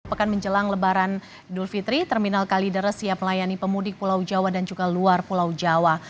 pekan menjelang lebaran idul fitri terminal kalideres siap melayani pemudik pulau jawa dan juga luar pulau jawa